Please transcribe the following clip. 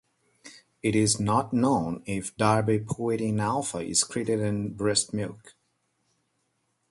It is not known if darbepoetin alfa is excreted in breast milk.